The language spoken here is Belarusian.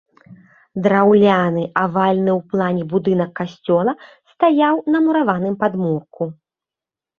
Драўляны авальны ў плане будынак касцёла стаяў на мураваным падмурку.